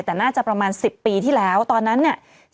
แต่น่าจะประมาณ๑๐ปีที่แล้วตอนนั้นเนี่ย